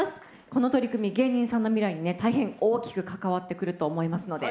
この取り組み芸人さんの未来にね大変大きく関わってくると思いますので。